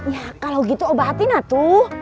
ya kalau gitu obatinlah tuh